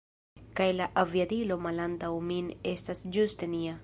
Kaj la aviadilo malantaŭ min estas ĝuste nia